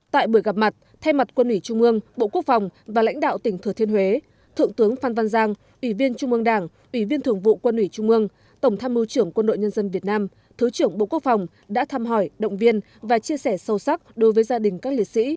tại buổi gặp mặt thay mặt quân ủy trung ương bộ quốc phòng và lãnh đạo tỉnh thừa thiên huế thượng tướng phan văn giang ủy viên trung ương đảng ủy viên thường vụ quân ủy trung mương tổng tham mưu trưởng quân đội nhân dân việt nam thứ trưởng bộ quốc phòng đã thăm hỏi động viên và chia sẻ sâu sắc đối với gia đình các liệt sĩ